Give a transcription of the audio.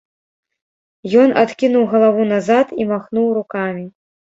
Ён адкінуў галаву назад і махнуў рукамі.